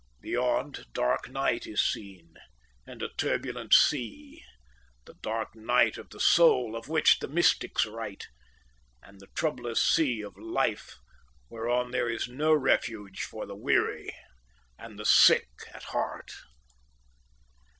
Beyond, dark night is seen and a turbulent sea, the dark night of the soul of which the mystics write, and the troublous sea of life whereon there is no refuge for the weary and the sick at heart.